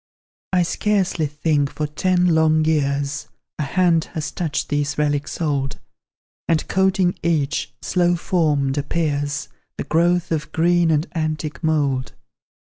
I scarcely think, for ten long years, A hand has touched these relics old; And, coating each, slow formed, appears The growth of green and antique mould.